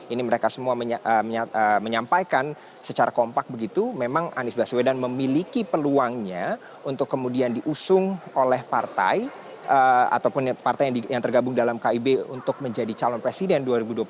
ini mereka semua menyampaikan secara kompak begitu memang anies baswedan memiliki peluangnya untuk kemudian diusung oleh partai ataupun partai yang tergabung dalam kib untuk menjadi calon presiden dua ribu dua puluh empat